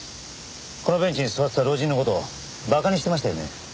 このベンチに座ってた老人の事を馬鹿にしてましたよね？